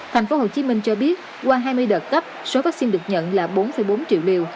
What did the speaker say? thành phố hồ chí minh cho biết qua hai mươi đợt cấp số vaccine được nhận là bốn bốn triệu liều